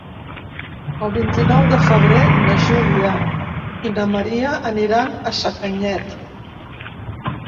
El vint-i-nou de febrer na Júlia i na Maria aniran a Sacanyet.